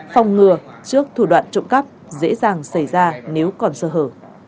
phòng ngừa trước thủ đoạn trộm cắp dễ dàng xảy ra nếu còn sơ hở